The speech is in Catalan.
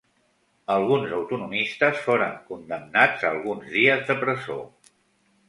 Alguns autonomistes foren condemnats a alguns dies de presó.